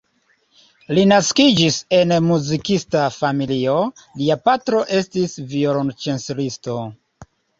Li naskiĝis en muzikista familio, lia patro estis violonĉelisto.